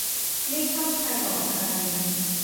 ไม่เข้าใครออกใคร